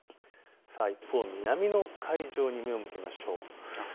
一方、南の海上に目を向けましょう。